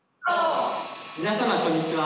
皆様こんにちは。